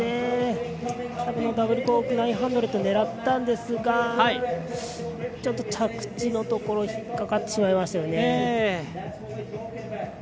キャブのダブルコーク９００を狙ったんですがちょっと着地のところ引っ掛かってしまいましたね。